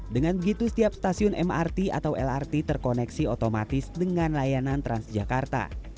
dengan begitu setiap stasiun mrt atau lrt terkoneksi otomatis dengan layanan transjakarta